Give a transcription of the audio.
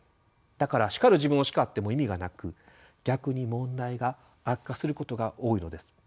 だから叱る自分を叱っても意味がなく逆に問題が悪化することが多いのです。